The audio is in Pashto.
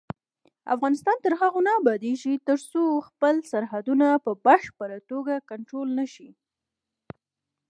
افغانستان تر هغو نه ابادیږي، ترڅو خپل سرحدونه په بشپړه توګه کنټرول نشي.